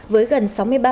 với gần sáu mươi ba